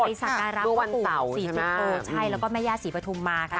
ไปสักอารักษณ์วันเสาร์สีทุกโตแล้วก็แม่ย่าสีปฐุมมาค่ะ